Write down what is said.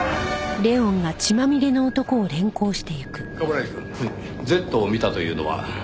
冠城くんＺを見たというのは？